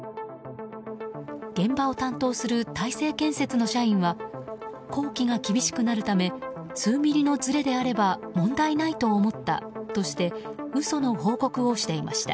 現場を担当する大成建設の社員は工期が厳しくなるため数ミリのずれであれば問題ないと思ったとして嘘の報告をしていました。